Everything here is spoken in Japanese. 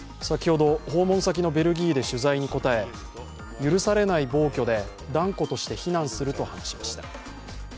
先ほど、訪問先のベルギーで取材に答え許されない暴挙で、断固として非難すると話しました。